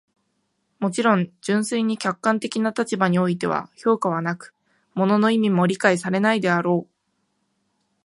もちろん、純粋に客観的な立場においては評価はなく、物の意味も理解されないであろう。